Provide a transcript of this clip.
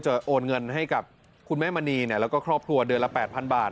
โอนเงินให้กับคุณแม่มณีแล้วก็ครอบครัวเดือนละ๘๐๐๐บาท